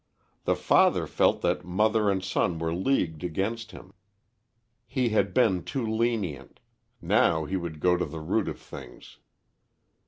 The father felt that mother and son were leagued against him. He had been too lenient; now he would go to the root of things.